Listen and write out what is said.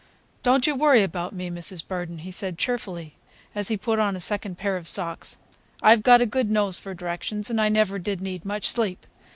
"Don't you worry about me, Mrs. Burden," he said cheerfully, as he put on a second pair of socks. "I've got a good nose for directions, and I never did need much sleep.